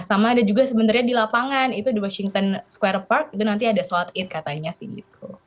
sama ada juga sebenarnya di lapangan itu di washington square park itu nanti ada sholat id katanya sih gitu